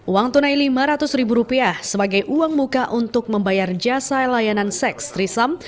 uang tunai lima ratus ribu rupiah sebagai uang muka untuk membayar jasa layanan seks trisam